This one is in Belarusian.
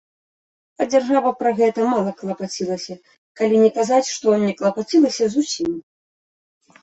А дзяржава пра гэта мала клапацілася, калі не казаць, што не клапацілася зусім.